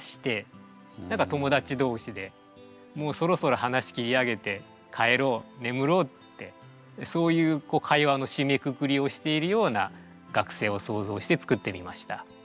友達同士でもうそろそろ話切り上げて帰ろう眠ろうってそういう会話の締めくくりをしているような学生を想像して作ってみました。